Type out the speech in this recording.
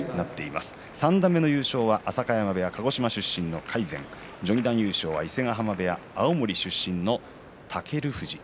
三段目は浅香山部屋、鹿児島出身の魁禅序二段優勝は伊勢ヶ濱部屋の青森県出身の尊富士。